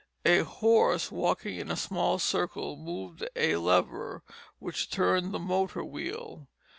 A horse walking in a small circle moved a lever which turned the motor wheel.